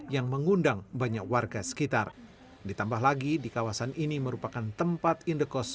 yang mengundang banyak warga sekitar ditambah lagi di kawasan ini merupakan tempat indekos